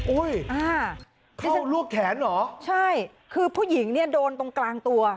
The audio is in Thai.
อุ๊ยเขาลวกแขนเหรอใช่คือผู้หญิงโดนตรงกลางตัว